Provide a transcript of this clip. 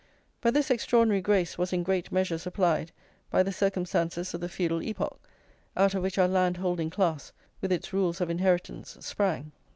But this extraordinary grace was in great measure supplied by the circumstances of the feudal epoch, out of which our land holding class, with its rules of inheritance, sprang.